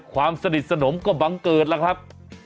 ความสนิทสนมก็บังเกิดแล้วครับ